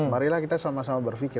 marilah kita sama sama berpikir